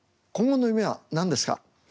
今後の夢は何ですか？